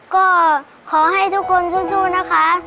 ก็ขอให้ทุกคนสู้นะคะ